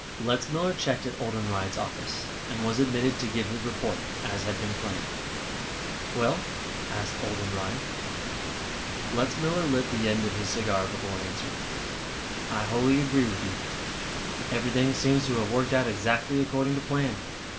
Letzmiller checked at Oldenreid's office, and was admitted to give his report, as had been planned. "Well?" asked Oldenreid. Letzmiller lit the end of his cigar before answering. "I wholly agree with you. Everything seems to have worked out exactly according to plan.